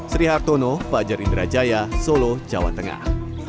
sri hartono pak jari indrajaya solo jawa tengah